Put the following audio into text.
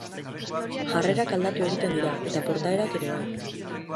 Jarrerak aldatu egiten dira, eta portaerak ere bai.